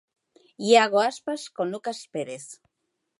Iago Aspas con Lucas Pérez.